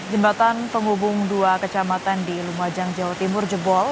jembatan penghubung dua kecamatan di lumajang jawa timur jebol